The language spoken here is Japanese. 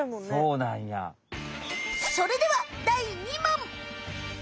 それでは第２問！